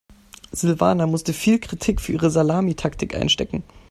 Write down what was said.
Silvana musste viel Kritik für ihre Salamitaktik einstecken.